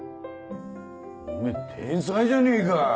おめぇ天才じゃねえか！